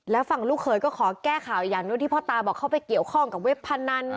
แล้วฝั่งลูกเขยก็ขอแก้ข่าวอย่างนู้นที่พ่อตาบอกเข้าไปเกี่ยวข้องกับเว็บพนัน